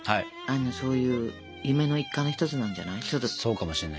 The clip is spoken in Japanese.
そういう夢の一環の一つなんじゃない？